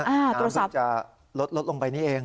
น้ำสัปดาห์จะลดลงไปนี่เอง